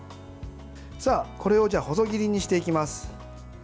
これを細切りにしていきます。